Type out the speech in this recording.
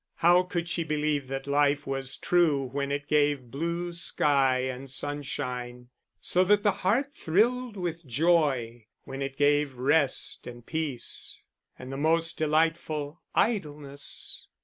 How could she believe that life was true when it gave blue sky and sunshine, so that the heart thrilled with joy; when it gave rest, and peace, and the most delightful idleness?